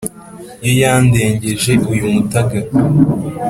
Yo yandengeje uyu mutaga